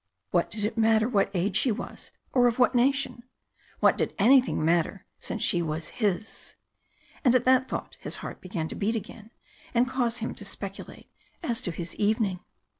What did it matter what age she was, or of what nation? What did anything matter since she was his? And at that thought his heart began to beat again and cause him to speculate as to his evening.